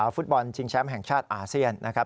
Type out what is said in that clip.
ฟุตบอลชิงแชมป์แห่งชาติอาเซียนนะครับ